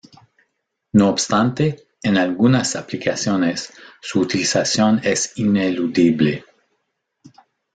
No obstante en algunas aplicaciones su utilización es ineludible.